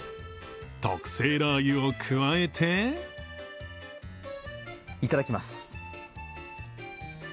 特製ラー油を加えていただきます。